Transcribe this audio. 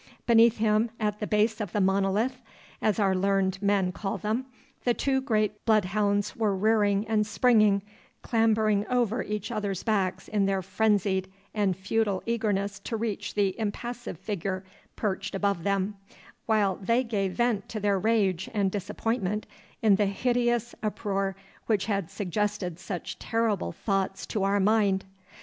Beneath him, at the base of the monolith, as our learned men call them, the two great bloodhounds were rearing and springing, clambering over each other's backs in their frenzied and futile eagerness to reach the impassive figure perched above them, while they gave vent to their rage and disappointment in the hideous uproar which had suggested such terrible thoughts to our mind.